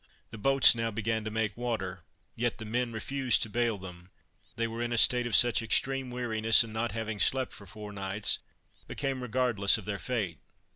The boats now began to make water, yet the men refused to bail them, they were in a state of such extreme weariness, and not having slept for four nights, became regardless of their fate.